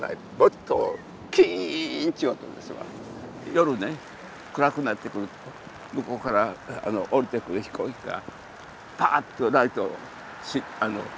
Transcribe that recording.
夜ね暗くなってくると向こうから降りてくる飛行機がパーッとライトつく。